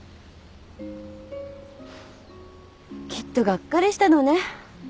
きっとがっかりしたのね。